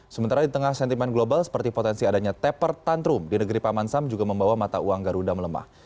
sementara di tengah sentimen global seperti potensi adanya teper tantrum di negeri paman sam juga membawa mata uang garuda melemah